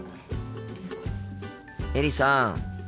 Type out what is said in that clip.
エリさん。